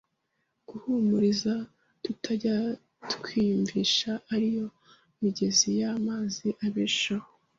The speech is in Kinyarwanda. guhumuriza tutajya twiyumvisha ari yo migezi y’amazi abeshaho